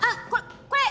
これ！